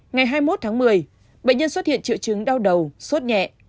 ngày hai mươi một tháng một mươi bệnh nhân xuất hiện triệu chứng đau đầu suốt nhẹ